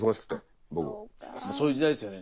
そういう時代ですよね。